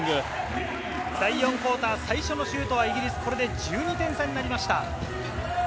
第４クオーター最初のシュートはイギリス、これで１２点差になりました。